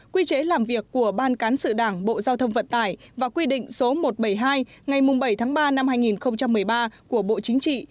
quy chế làm việc của ban cán sự đảng bộ giao thông vận tải và quy định số một trăm bảy mươi hai ngày bảy tháng ba năm hai nghìn một mươi ba của bộ chính trị